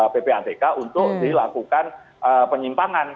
ppatk untuk dilakukan penyimpangan